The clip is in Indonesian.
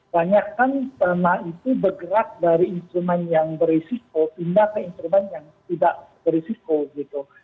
banyak kan perma itu bergerak dari instrument yang berisiko tindak ke instrument yang tidak berisiko gitu